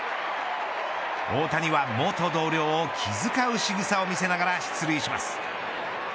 大谷は、元同僚を気使うしぐさを見せながら出塁します。